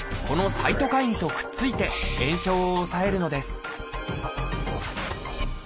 サイトカインとくっついて炎症を抑えるのです